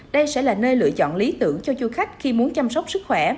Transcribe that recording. đây sẽ là nơi lựa chọn lý tưởng cho du khách khi muốn chăm sóc sức khỏe